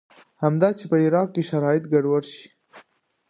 همدا چې په عراق کې شرایط ګډوډ شي.